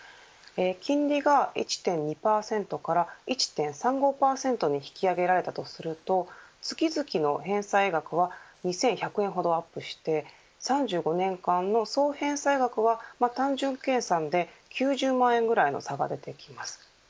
金利が１．２％から１．３５％に引き上げられたとすると月々の返済額は２１００円ほどアップして３５年間の総返済額は単純計算で９０万円ぐらいの差が出てきます。